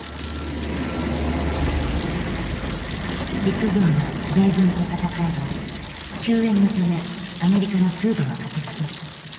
陸軍が米軍と戦えば救援のためアメリカの空母が駆けつける。